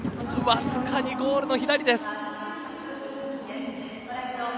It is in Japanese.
わずかにゴールの左です。